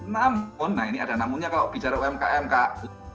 namun nah ini ada namanya kalau bicara umkm kak